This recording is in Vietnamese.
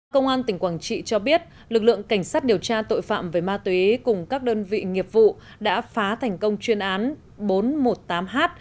công an tỉnh quảng trị cho biết lực lượng cảnh sát điều tra tội phạm về ma túy cùng các đơn vị nghiệp vụ đã phá thành công chuyên án bốn trăm một mươi tám h